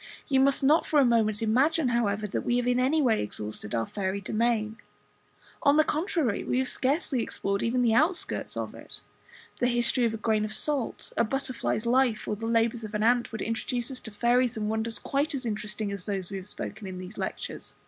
You must not for a moment imagine, however, that we have in any way exhausted our fairy domain; on the contrary, we have scarcely explored even the outskirts of it. The "History of a Grain of Salt," "A Butterfly's Life," or "The Labours of an Ant," would introduce us to fairies and wonders quite as interesting as those of which we have spoken in these Lectures.